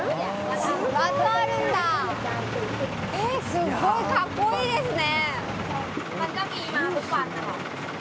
すごい格好いいですね！